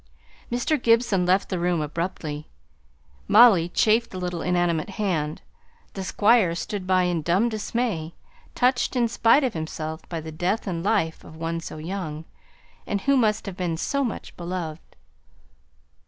Mr. Gibson left the room abruptly; Molly chafed the little inanimate hand; the Squire stood by in dumb dismay, touched in spite of himself by the death in life of one so young, and who must have been so much beloved.